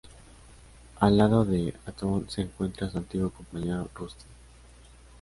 Al lado de Hatton se encuentra su antiguo compañero Rusty.